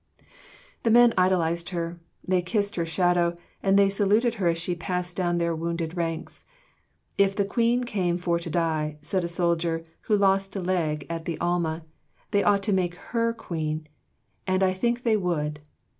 The men idolized her. They kissed her shadow, and they saluted her as she passed down their wounded ranks. "If the Queen came for to die," said a soldier who lost a leg at the Alma, "they ought to make her queen, and I think they would."